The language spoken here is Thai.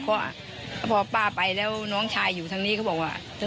แต่ก็เหมือนจะเอางานปะกะเบน